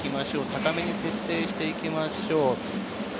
高めに設定して行きましょう。